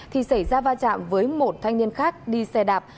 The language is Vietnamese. thì xảy ra va chạm với một thanh niên khác đi xe đạp